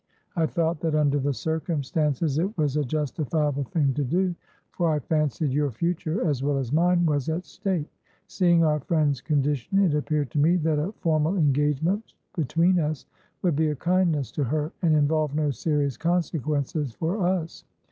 I thought that, under the circumstances, it was a justifiable thing to do, for I fancied your future, as well as mine, was at stake. Seeing our friend's condition, it appeared to me that a formal engagement between us would be a kindness to her, and involve no serious consequences for us.